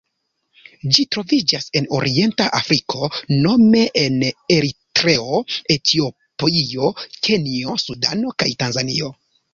Ĝi troviĝas en Orienta Afriko nome en Eritreo, Etiopio, Kenjo, Sudano kaj Tanzanio.